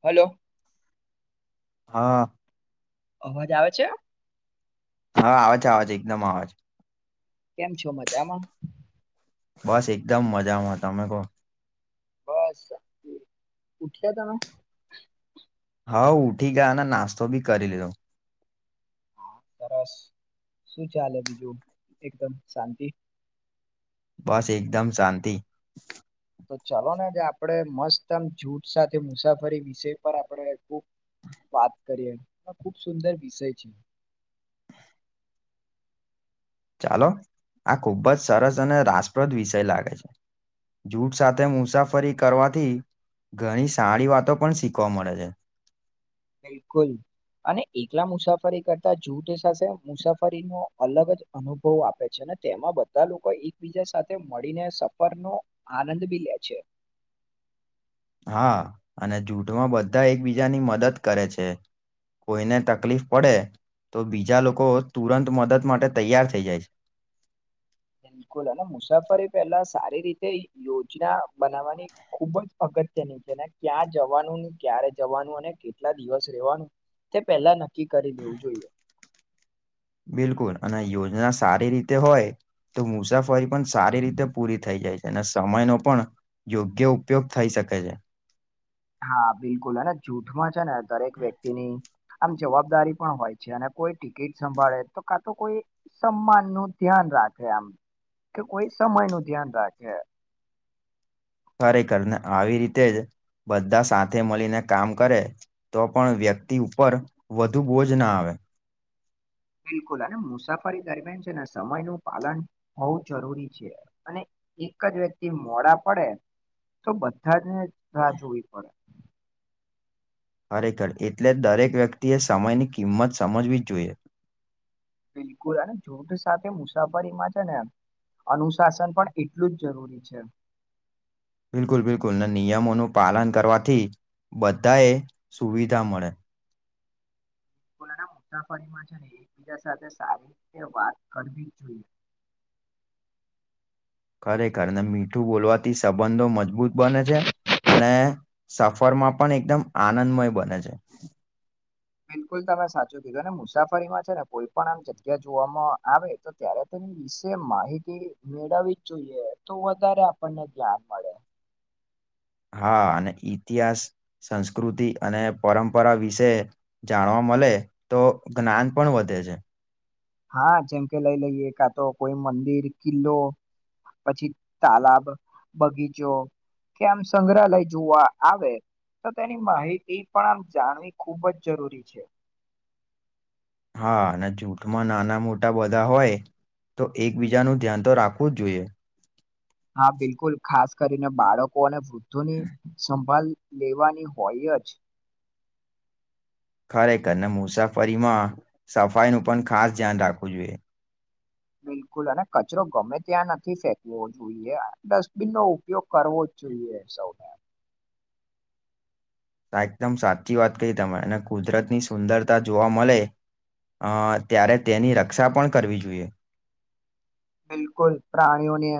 Hello હા અવાજ આવે છે? હા આવે છે આવે છે એકદમ આવે છે કેમ છો મજામાં? બસ એકદમ મજામાં તમે કો બસ ઉઠ્યા તમે? હવ ઉઠી ગયા અને નાસ્તો બી કરી લીધો. હા સરસ શું ચાલે બીજું એકદમ શાંતિ બસ એકદમ શાંતિ તો ચાલોને આજે આપણેે મસ્ત આમ જૂઢ સાથે મુસાફરી વિષય પર આપણેે ખૂબ વાત કરીએ આ ખુબ સુંદર વિષય છે. ચાલો આ ખુબ જ સરસ અને રાસપ્રદ વિષય લાગે છે. જૂઠ સાથે મુસાફરી કરવાથી ઘણી સારી વાતો પણ શીખવા મળે છે. બિલકુલ અને એકલા મુસાફરી કરતા જૂથ સાથે મુસાફરીનો અલગ જ અનુભવ આપે છે. ને તેમાં બધા લોકો એકબીજા સાથે મળીને સફર નો આનંદ બી લે છે. [inaudible] હા અને જૂઠમાં બધા એકબીજાની મદદ કરે છે. કોઈને તકલીફ પડે તો બીજા લોકો તુરંત મદદ માટે તૈયાર થઈ જાય છે. [inaudible] બિલકુલ. અને મુસાફરી પહેલા સારી રીતે યોજના બનાવવાની ખુબ જ અગત ગત્યની છે, ને ક્યાં જવાનું, ને ક્યારે જવાનું, અને કેટલા દિવસ રહેવાનું તે પહેલા નક્કી કરી દેવું જોઈએ. બિલકુલ. અને યોજના સારી રીતે હોય તો મુસાફરી પણ સારી રીતે પૂરી થઈ જાય છે, અને સમયનો પણ યોગ્ય ઉપયોગ થઈ શક કે છે. હા બિલકુલ. અને જૂઠમાં છે ને દરેક વ્યક્તિની આમ જવાબદારી પણ હોય છે. અને કોઈ ટિકિટ સંભાળે, તો કા તો કોઈ સમાનનું ધ્યાન રાખે આમ, કે કોઈ સમયનું ધ્યાન રાખે. ખરેખર. ને આવી રીતે જ બધા સાથે મળીને કામ કરે તો પણ વ્યક્તિ ઉપર વધુ બોજ ન આવે. [inaudible] બિલકુલ. અને મુસાફરી દરમિયાન છે ને સમયનું પાલન હોવું જરૂરી છે. અને એક જ વ્યક્તિ મોડા પડે તો બધાં જ ને રાહ જોવી પડે. ખરેખર એટલે દરેક વ્યક્તિએ સમયની કિંમત સમજવી જ જોઈએ. બિલકુલ. અને જૂઠ સાથે મુસાફરીમાં છે ને અનુશાસન પણ એટલું જ જરૂરી છે. બિલકુલ-બિલકુલ. ને નિયમોનું પાલન કરવાથી બધા એ સુવિધા મળે. [inaudible] મુસાફરીમાં છે ને એકબીજા સાથે સારી રીતે વાત કરવી જ જોઈએ. [inaudible] ખરેખર. ને મીઠું બોલવાથી સંબંધો મજબૂત બને છે. અને સફરમાં પણ એકદમ આનંદમય બને છે. બિલકુલ તમે સાચું કીધું ને મુસાફરીમાં છે ને કોઈ પણ આમ જગ્યા જોવામાં આવે તો ત્યારે તે વિશે માહિતી મેળવવી જ જોઈએ તો વધારે આપણને જ્ઞાન મળે. હા અને ઇતિહાસ, સંસ્કૃતિ અને પરંપરા વિશે જાણવામાં મલે તો જ્ઞાન પણ વધે છે. હા જેમ કે લઈ લઈએ કાતો કોઈ મંદિર, કિલ્લો પછી તાલાબ, બગીચો કે આમ સંગ્રહાલય જોવા આવે તો તેની માહિતી પણ આમ જાણવી ખૂબજ જરૂરી છે. હા અને જૂઠમાં નાના મોટા બધા હોય તો એકબીજાનું ધ્યાન તો રાખવું જ જોઈએ. હા બિલકુલ ખાસ કરીને બાળકો અને વૃદ્ધોની સંભાલ લેવાની હોય જ ખરેખરને મુસાફરીમાં સફાઈનુ પણ ખાસ ધ્યાન રાખવું જોઈએ. બિલકુલ અને કચરો ગમે ત્યાં નથી ફેંકવો જોઈએ ડસ્ટબિનનો ઉપયોગ કરવો જોઈએ સૌઅ ને આ એકદમ સાચી વાત કહી તમે અને કુદરતની સુંદરતા જોવા મલે અ ત્યારે તેની રક્ષા પણ કરવી જોઈએ. બિલકુલ પ્રાણીઓને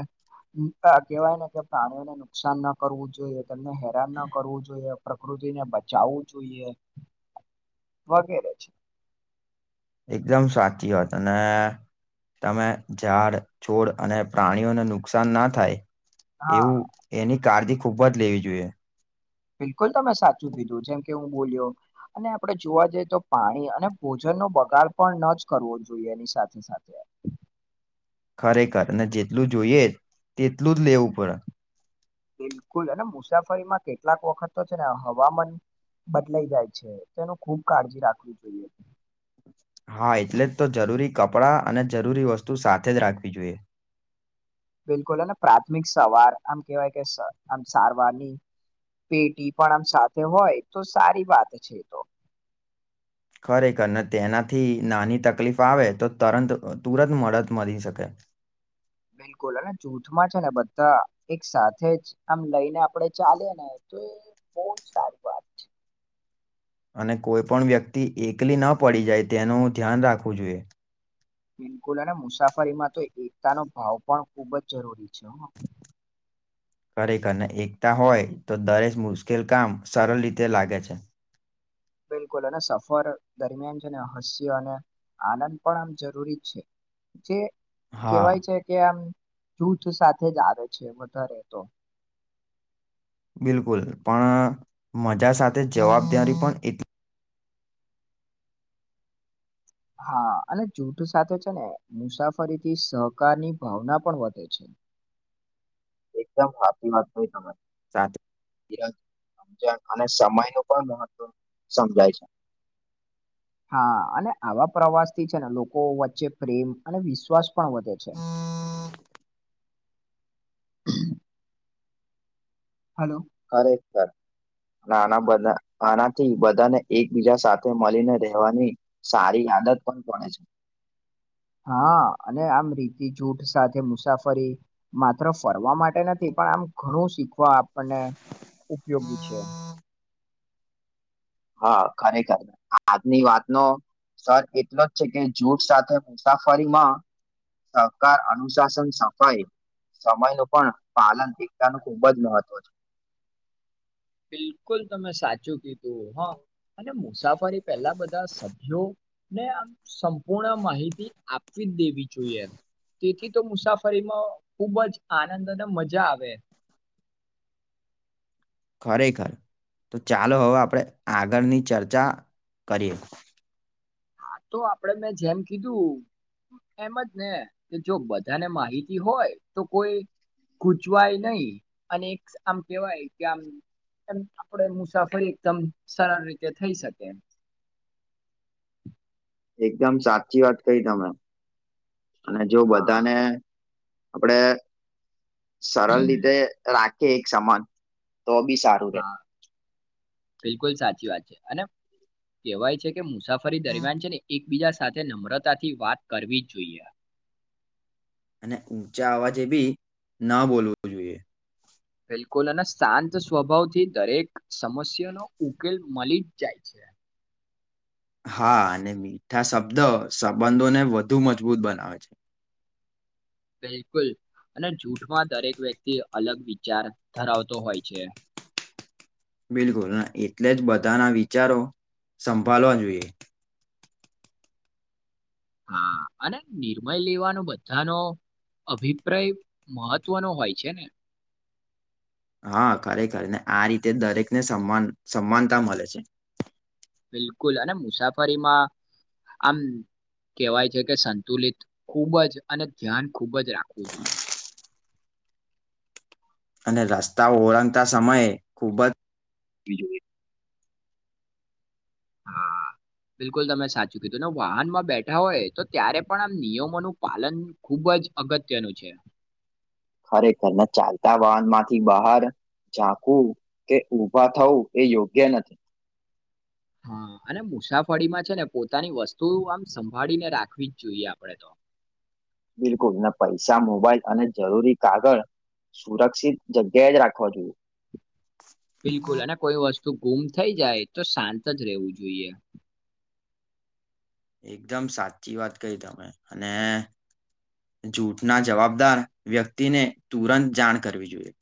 કેવાયને કે પ્રાણીઓને નુકસાન ન કરવું જોઈએ તેમને હેરાન ના કરવું જોઈએ પ્રકૃ તિને બચાવવું જોઈએ વગેરે છે. એકદમ સાચી વાત અને તમે ઝાડ છોડ અને પ્રાણીઓને નુકસાન ના થાય હા એવું એની કાળજી ખૂબજ લેવી જોઈએ. બિલકુલ તમે સાચું કીધું જેમ કે હું બોલ્યો અને આપણેે જોવા જઈએ તો પાણી અને ભોજન નો બગાડ પણ ન જ કરવો જોઈએ એની સાથે સાથે ખરેખર અને જેટલું જોઈએ તેટલું જ લેવું પડે બિલકુલ અને મુસાફરીમાં કેટલાક વખત તો છે ને હવામાન બદલાઈ જાય છે તેનું ખૂબ કાળજી રાખવી જોઈએ. હા એટલે જ તો જરૂરી કપડાં અને જરૂરી વસ્તુ સાથે જ રાખવી જોઈએ. બિલકુલ અને પ્રાથમિક સવાર આમ કેવાય કે સ આમ સારવારની પેટી પણ આમ સાથે હોય તો સારી વાત છે તો ખરેખરને તેનાથી નાની તકલીફ આવે તો તરંત તુરંત મદદ મળી શકે. [inaudible] બિલકુલ અને જૂથમાં છે ને બધા એક સાથે જ આમ લઈને આપડે ચાલેએ ને તો એ બોવ જ સારી વાત છે. અને કોઈપણ વ્યક્તિ એકલી ન પડી જાય તેનું ધ્યાન રાખવું જોઈએ. બિલકુલ અને મુસાફરીમાં તો એકતાનો ભાવ પણ ખુબ જ જરૂરી છે હ [inaudible] ખરેખરને એકતા હોય તો દરેક મુશ્કેલ કામ સરળ રીતે લાગે છે. બિલકુલ અને સફર દરમિયાન છે ને હાસ્ય અને આનંદ પણ આમ જરૂરી છે જે હા કેહેવાય છે કે આમ જૂથ સાથે જ આવે છે વધારે તો બિલકુલ પણ મજા સાથે જવાબદારી પણ એટલી હા અને જૂઠ સાથે છે ને મુસાફરીથી સહકારની ભાવના પણ વધે છે. [inaudible] એકદમ સાચી વાત કહી તમે સાથે સમજણ અને સમયનું પણ મહત્વ સમજાય છે. [inaudible] હા અને આવા પ્રવાસથી છે ને લોકો વચ્ચે પ્રેમ અને વિશ્વાસ પણ વધે છે. હાલો. કટ આના બધા આનાથી બધાને એકબીજા સાથે મળીને રહેવાની સારી આદત પણ કોણે છે. હા અને આમ રીતિ જૂઠ સાથે મુસાફરી માત્ર ફરવા માટે નથી. પણ આમ ઘણું શીખવા આપણને ઉપયોગી છે. હા ખરેખર, આજની વાતનો સર એટલો જ છે કે જૂથ સાથે મુસાફરીમાં સકાર, અનુશાસન, સફાઈ સમયનું પણ પાલન થતાનું ખુબ જ મહત્વ છે. બિલકુલ તમે સાચું કીધ હા અને મુસાફરી પહેલા બધા સભ્યો ને આમ સંપૂર્ણ માહિતી આપવી જ દેવી જોઈએ એમ. તેથી તો મુસાફરીમાં ખુબ જ આનંદ અને મજા આવે. ખરેખર. તો ચાલો હવે આપણે આગળની ચર્ચા કરીએ. આ તો આપડે મેં જેમ કીધું એમ જ ને કે જો બધાને માહિતી હોય તો કોઈ ખૂચવાય નહી અને આમ કેવાય કે આમ એમ આપણે મુસાફરી એકદમ સરળ રીતે થઈ શકે. એકદમ સાચી વાત કહી તમે. અને જો હા બધાને આપડે સરલ રીતે રાખીએ એક સમાન તો બી સારું રે. હા બિલકુલ સાચી વાત છે, અને કેહેવાય છે કે મુસાફરી દરમિયાન છે ને એક બીજા સાથે નમ્રતાથી વાત કરવી જ જોઈએ. અને ઊંચા અવાજે બી ન બોલવું જોઈએ. બિલકુલ અને શાંત સ્વભાવ થી દરેક સમસ્યાનો ઉકેલ મલી જ જાય છે. [inaudible] હા અને મીઠા શબ્દ સંબંધોને વધુ મજબૂત બનાવે છે. બિલકુલ. અને જૂઠમાં દરેક વ્યક્તિ અલગ વિચાર ધરાવતો હોય છે. બિલકુલ અને એટલે જ બધાના વિચારો સંભાળવા જોઈએ. હા અને નિર્મય લેવાનું બધા નો અભિપ્રાય મહત્વનો હોય છે ને. હા ખરેખર, ને આ રીતે દરેકને સમાન સમાનતા મલે છે. બિલકુલ અને મુસાફરીમાં આમ કહેવાય છે કે સંતુલિત ખૂબ જ અને ધ્યાન ખૂબ જ રાખવું જોઈએ. અને રસ્તા ઓરંગતા સમયે ખૂબ જ [unintelligible] હા. બિલકુલ તમે સાચું કીધું, ને વાહનમાં બેઠા હોય તો ત્યારે પણ આમ નિયમોનું પાલન ખુબ ખૂબ જ અગત્યનું છે. ખરેખર, ને ચાલતા વાહન માંથી બહાર ચાકવું કે ઉભા થવું એ યોગ્ય નથી. હા. અને મુસાફરીમાં છે ને પોતાની વસ્તુ આમ સંભાળીને રાખવી જ જોઈએ આપણે તો. બિલકુલ, ને પૈસા, મોબાઈલ અને જરૂરી કાગળ સુરક્ષિત જગ્યાએ જ રાખવા જોઈએ. બિલકુલ અને કોઈ વસ્તુ ગુમ થઈ જાય તો શાંત જ રહેવું જોઈએ. એકદમ સાચી વાત કહી તમે. અને જૂઠના જવાબદાર વ્યક્તિને તુરંત જાણ કરવી જોઈએ.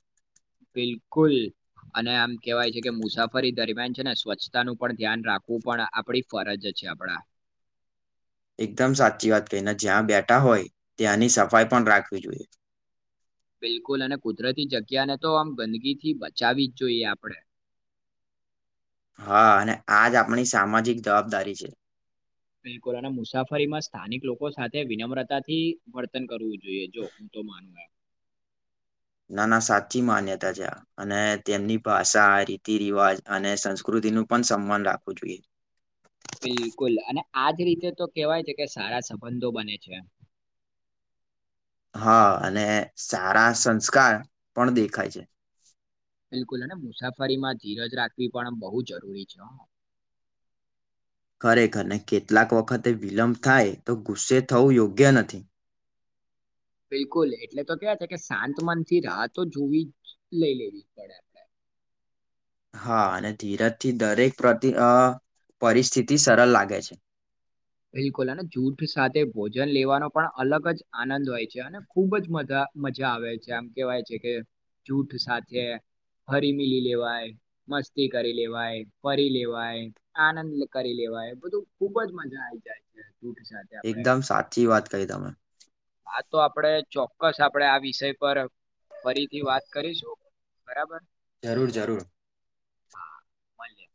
બિલકુલ. અને આમ કેવાય છે કે મુસાફરી દરમિયાન છે ને સ્વચ્છતા નું પણ ધ્યાન રાખવું પણ આપડી ફરજ જ છે આપડા એકદમ સાચી વાત કહીને જ્યાં બેઠા હોય, ત્યાંની સફાઈ પણ રાખવી જોઈએ. [inaudible] બિલકુલ અને કુદરતી જગ્યાને તો આમ ગંદકી થી બચાવી જ જોઈએ આપડે. હા અને આજ આપણી સામાજિક જવાબદારી છે. બિલકુલ અને મુસાફરીમાં સ્થાનિક લોકો સાથે વિનમ્રતાથી વર્તન કરવું જોઈએ જો તો માનું નાના સાચી માન્યતા છે અને તેમની ભાષા રીતિ રિવાજ અને સંસ્કૃતિ નું પણ સન્માન રાખવું જોઈએ. બિલકુલ અને આજ રીતે તો કેહેવાય છે કે સારા સંબંધો બને છે. હા અને સારા સંસ્કાર પણ દેખાય છે. બિલકુલ અને મુસાફરીમાં ધીરજ રાખવી પણ બહુ જરૂરી છે હો. ખરેખરને કેટલાક વખતે વિલંબ થાય તો ગુસ્સે થવું યોગ્ય નથી. બિલકુલ એટલે તો કે છે કે શાંત મન થી રાહતો જોવી જ લઈ લેવી પડે આપડે. હા અને ધીરજથી દરેક પ્રતિ પરિસ્થિતિ સરળ લાગે છે. બિલકુલ અને જૂથ સાથે ભોજન લેવાનો પણ અલગ જ આનંદ હોય છે અને ખુબ જ મજા મજા આવે છે આમ કેવાય છે કે જૂથ સાથે ફરી મિલી લેવાય મસ્તી કરી લેવાય ફરી લેવાય આનંદ કરી લેવાય બધું ખુબજ મજા આ એકદમ સાચી વાત કહી તમે. આ તો આપડે ચોક્કસ આપડે આ વિષય પર ફરીથી વાત કરીશું બરાબર. જરૂર જરૂર. હા પછી.